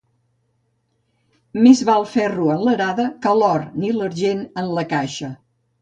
Més val el ferro en l'arada que l'or ni l'argent en la caixa.